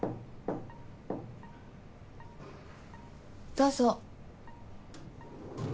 どうぞ。